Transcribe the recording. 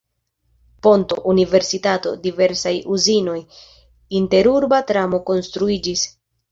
Ponto, universitato, diversaj uzinoj, interurba tramo konstruiĝis.